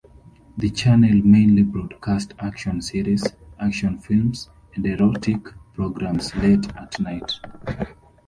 The channel mainly broadcast action series, action films and erotic programmes late at night.